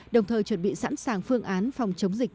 đồng thời chuẩn bị sẵn sàng phương án phòng chống dịch